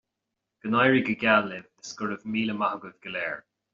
Go n-éirí go geal libh is go raibh míle maith agaibh go léir